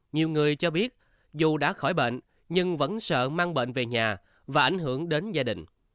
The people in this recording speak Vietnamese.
nhiều người cho biết dù đã khỏi bệnh nhưng vẫn sợ mang bệnh về nhà và ảnh hưởng đến gia đình